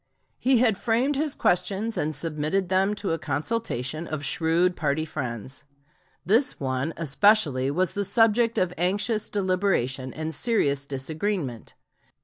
He had framed his questions and submitted them to a consultation of shrewd party friends. This one especially was the subject of anxious deliberation and serious disagreement.